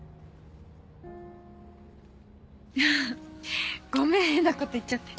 アハごめん変なこと言っちゃって。